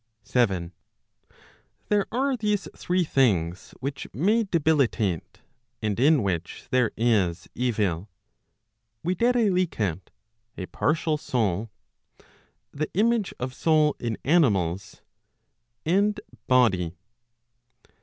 7. There are these three things which may debilitate, and in which there is evil, viz. a partial soul; the image of soul in animals ; and body.